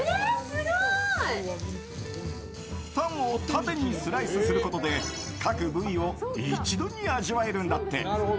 タンを縦にスライスすることで各部位を一度に味わえるんだって。